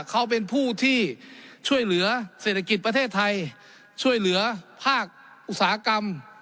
เขาเป็นผู้ที่ช่วยเหลือเศรษฐกิจประเทศไทยช่วยเหลือภาคอุตสาหกรรม